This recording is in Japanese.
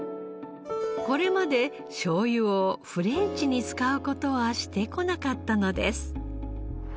これまでしょうゆをフレンチに使う事はしてこなかったのです。